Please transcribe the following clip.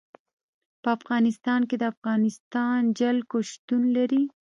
په افغانستان کې د افغانستان جلکو شتون لري.